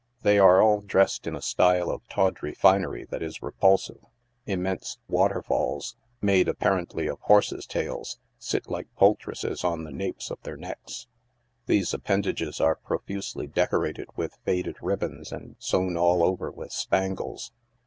They are all dressed in a style of tawdry finery that is repulsive. Immense " waterfalls," made appa rently of horses' tails, sit like poultices on the napes of their nec^s. These appendages are profusely decorated with faded ribbons and sown all over with spangles.